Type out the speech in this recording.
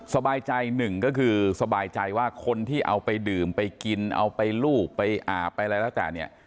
สบายใจหนึ่งก็คือสบายใจว่าคนที่เอาไปดื่มไปกินเอาไปลูบไปอาบไปอะไรแล้วแต่เนี่ย